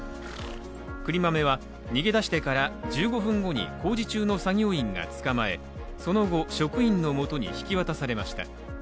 くりまめは、逃げ出してから１５分後に工事中の作業員が捕まえその後、職員の元に引き渡されました。